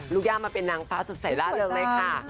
รูปยาวมาเป็นนางฟ้าสุดใส้ร่างเลยค่ะ